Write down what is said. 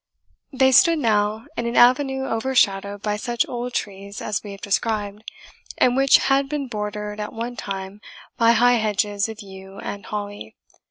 They stood now in an avenue overshadowed by such old trees as we have described, and which had been bordered at one time by high hedges of yew and holly.